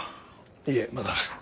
いえまだ。